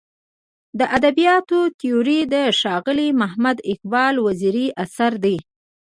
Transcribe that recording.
د ادبیاتو تیوري د ښاغلي محمد اقبال وزیري اثر دی.